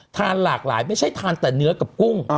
ทานหลากหลายไม่ใช่ทานแต่เนื้อกับกุ้ง